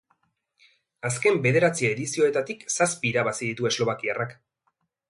Azken bederatzi edizioetatik zazpi irabazi ditu eslovakiarrak.